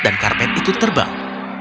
dan karpet itu terbang